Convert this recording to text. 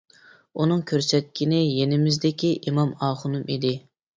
ئۇنىڭ كۆرسەتكىنى يېنىمىزدىكى ئىمام ئاخۇنۇم ئىدى.